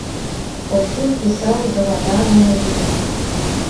Паўсюль пісаў згаданыя лічбы.